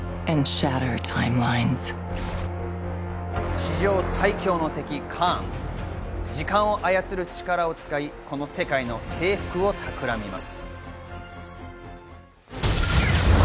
史上最凶の敵・カーン、時間を操る力を使い、この世界の征服を企みます。